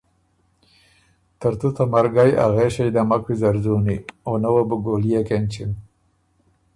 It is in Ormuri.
ترتُو ته مرګئ ا غېݭئ ده مک ویزر ځُوني او نه وه بو ګوليېک اېنچِم“